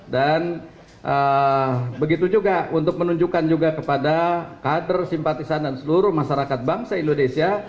dan begitu juga untuk menunjukkan juga kepada kader simpatisan dan seluruh masyarakat bangsa indonesia